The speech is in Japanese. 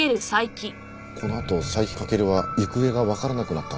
このあと斉木翔は行方がわからなくなったんですよね。